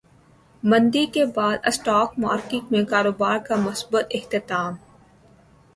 مندی کے بعد اسٹاک مارکیٹ میں کاروبار کا مثبت اختتام